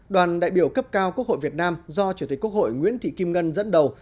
đoàn đại biểu cấp cao quốc hội việt nam do chủ tịch quốc hội nguyễn thị kim ngân dẫn đầu